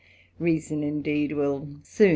Reason, indeed, will soon .